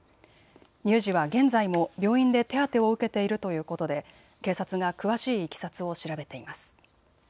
乳児は現在も病院で手当てを受けているということで警察が詳しいいきさつを調べています。